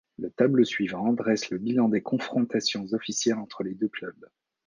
Le tableau suivant dresse le bilan des confrontations officielles entre les deux clubs.